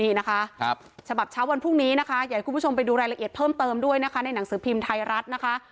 นี่นะคะฉบับเช้าวันพรุ่งนี้นะคะอยากให้คุณผู้ชมไปดูรายละเอียดเพิ่มเติมด้วยนะคะในหนังสือพิมพ์ไทยรัฐนะคะ